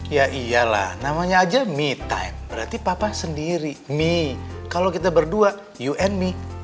ya iyalah namanya aja me time berarti papa sendiri mi kalau kita berdua you and me